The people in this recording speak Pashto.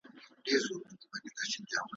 له دواړو استادانو څخه حاصل کړي دي